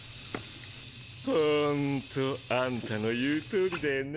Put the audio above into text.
ホントアンタの言うとおりだよな。